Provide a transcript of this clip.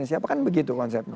siapa kan begitu konsepnya